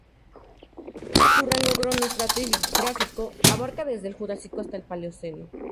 Su rango cronoestratigráfico abarca desde el Jurásico hasta el Paleoceno.